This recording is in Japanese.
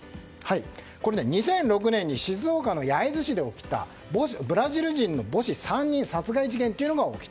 ２００６年に静岡の焼津市で起きたブラジル人の母子３人殺害事件というのが起きた。